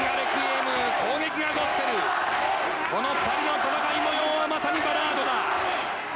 この２人の戦いも要は、まさにバラードだ。